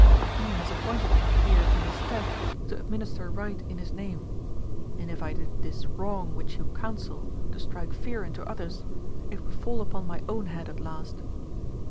He has appointed me here in his stead to administer right in his name, and if I did this wrong which you counsel to strike fear into others, it would fall upon my own head at last.